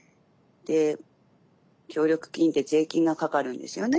協力金って税金がかかるんですよね。